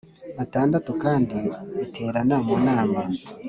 atandatu kandi iterana mu nama